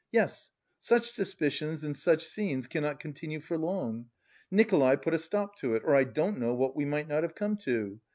"Yes, such suspicions and such scenes cannot continue for long. Nikolay put a stop to it, or I don't know what we might not have come to.